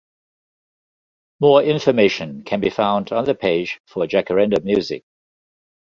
More information can be found on the page for Jacaranda Music.